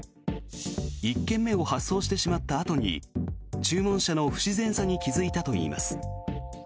１件目を発送してしまったあとに注文者の不自然さに気付いたといいます。